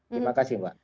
terima kasih mbak